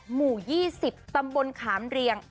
หมู่๒๐ตำบลขามเรียง